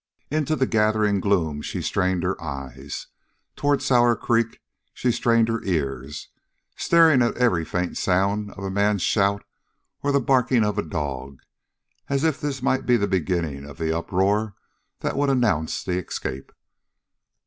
Into the gathering gloom she strained her eyes; toward Sour Creek she strained her ears, starting at every faint sound of a man's shout or the barking of a dog, as if this might be the beginning of the uproar that would announce the escape.